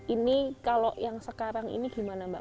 ini kalau yang sekarang ini gimana mbak